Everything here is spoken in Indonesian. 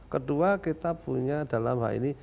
kedua kita punya dalam hal ini